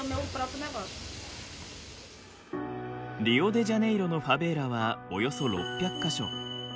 リオデジャネイロのファベーラはおよそ６００か所。